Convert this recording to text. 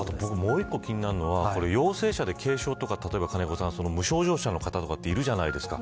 僕もう一個、気になるのは陽性者で軽症とか無症状者の方っているじゃないですか。